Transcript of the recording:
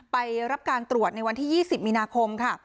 ไปรับการตรวจในวันที่๒๐มีนาคมค่ะ